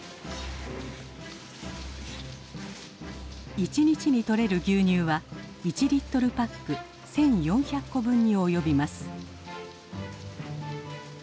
一日に取れる牛乳は１リットルパック１，４００個分に及びます。